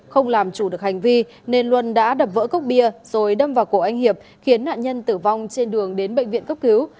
không làm chủ được hành vi nên luân đã đập vỡ cốc bia rồi đâm vào cổ anh hiệp khiến nạn nhân tử vong trên đường đến bệnh viện cấp cứu